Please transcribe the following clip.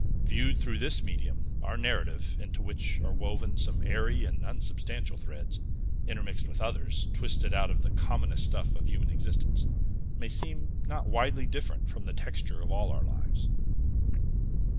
Viewed through this medium, our narrative into which are woven some airy and unsubstantial threads, intermixed with others, twisted out of the commonest stuff of human existence may seem not widely different from the texture of all our lives.